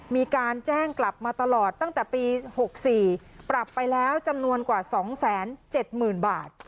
มีการแจ้งกลับมาตลอดตั้งแต่ปี๖๔ปรับไปแล้วจำนวนกว่า๒๗๐๐๐บาท